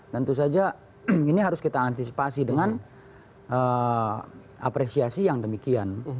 tentu saja ini harus kita antisipasi dengan apresiasi yang demikian